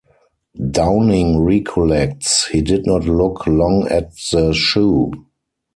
Downing recollects, he did not look long at the shoe.